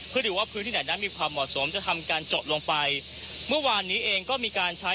เพื่อดูว่าพื้นที่ไหนนั้นมีความเหมาะสมจะทำการเจาะลงไปเมื่อวานนี้เองก็มีการใช้